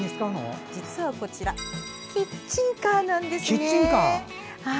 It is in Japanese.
実は、こちらキッチンカーなんです。